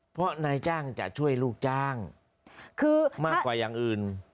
เพราะนายจ้างจะช่วยลูกจ้างคือมากกว่าอย่างอื่น